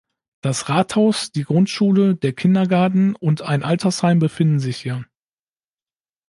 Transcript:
Das Rathaus, die Grundschule, der Kindergarten und ein Altersheim befinden sich hier.